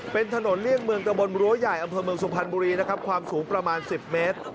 เป็นถนนเลี่ยงเมืองตะบนรั้วใหญ่อำเภอเมืองสุพรรณบุรีนะครับความสูงประมาณ๑๐เมตร